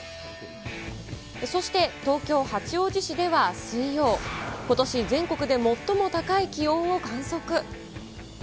そして、東京・八王子市では水曜、ことし全国で最も高い気温を観測。